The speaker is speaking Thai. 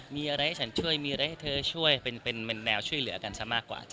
มีอะไรให้ฉันช่วยมีอะไรให้เธอช่วยเป็นแมวช่วยเหลือกันซะมากกว่า